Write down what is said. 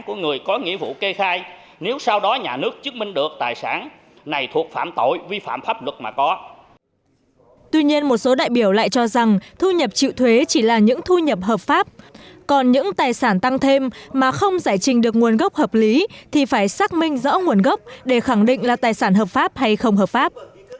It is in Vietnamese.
tuy nhiên một số đại biểu lại cho rằng thu nhập trự thuế chỉ là những thu nhập hợp pháp còn những tài sản tăng thêm mà không giải trình được nguồn gốc hợp lý thì phải xác minh rõ nguồn gốc để khẳng định là tài sản hợp pháp hay không hợp pháp